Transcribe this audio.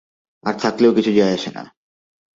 আর থাকলেও কিছু যায় আসে না।